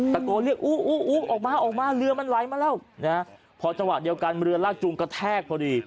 ตะโกนเรียกอู้อออกมาออกมาเรือมันไหลมาแล้วนะพอจังหวะเดียวกันเรือลากจูงกระแทกพอดี